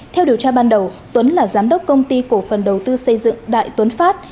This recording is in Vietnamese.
theo điều tra ban đầu tuấn là giám đốc công ty cổ phần đầu tư xây dựng đại tuấn phát